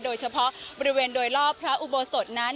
โดยเฉพาะบริเวณโดยรอบพระอุโบสถนั้น